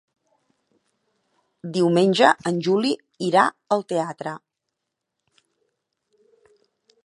Diumenge en Juli irà al teatre.